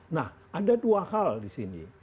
nah ada dua hal di sini